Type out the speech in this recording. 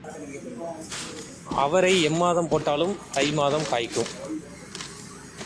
அவரை எம்மாதம் போட்டாலும் தை மாதம் காய்க்கும்.